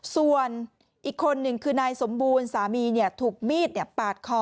ส่วนอีกคนหนึ่งคือนายสมบูรณ์สามีถูกมีดปาดคอ